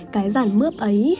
cái ràn mướp ấy